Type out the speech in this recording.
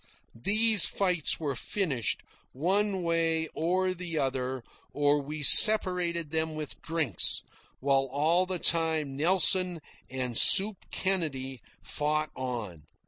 These fights were finished, one way or the other, or we separated them with drinks, while all the time Nelson and Soup Kennedy fought on.